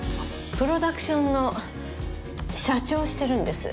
プロダクションの社長をしてるんです。